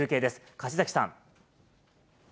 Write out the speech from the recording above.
柏崎さん。